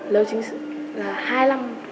lâu chính là hai năm